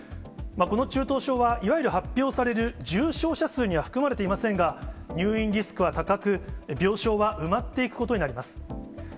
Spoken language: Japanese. この中等症は、いわゆる発表される重症者数には含まれていませんが、入院リスクは高く、病床は埋まっていくことになります。